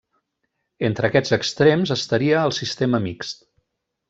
Entre aquests extrems estaria el sistema mixt.